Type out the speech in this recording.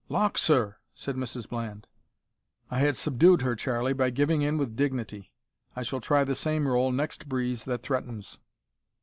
"`Lauk, sir!' said Mrs Bland. "I had subdued her, Charlie, by giving in with dignity. I shall try the same role next breeze that threatens.